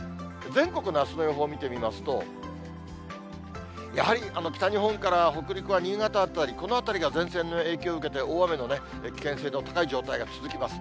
全国のあすの予報見てみますと、やはり北日本から北陸は新潟辺り、この辺りが前線の影響を受けて、大雨の危険性の高い状態が続きます。